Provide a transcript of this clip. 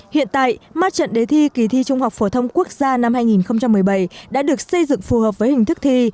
hiện tại ma trận đề thi kỳ thi trung học phổ thông quốc gia năm hai nghìn một mươi bảy đã được xây dựng phù hợp với hình thức thi